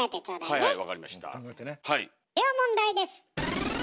では問題です！